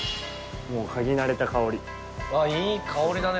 もう嗅ぎ慣れた香りああいい香りだね